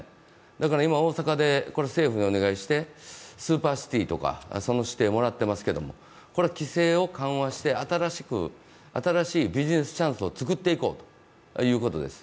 だから今、大阪で政府にお願いしてスーパーシティとか、その指定をもらってますけど、これは規制を緩和して、新しいビジネスチャンスを作っていこうということです。